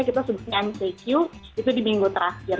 kemudian kita sudah mengambil uq itu di minggu terakhir